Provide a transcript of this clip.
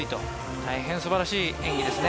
大変すばらしい演技ですね。